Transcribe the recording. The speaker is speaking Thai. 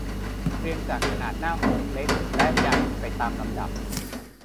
เรียงจากขนาดหน้าอกเล็กและใหญ่ไปตามลำดับ